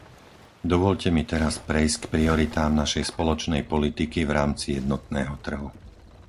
Dovoľte mi teraz prejsť k prioritám našej spoločnej politiky v rámci jednotného trhu.